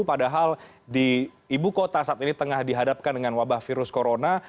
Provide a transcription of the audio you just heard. padahal di ibu kota saat ini tengah dihadapkan dengan wabah virus corona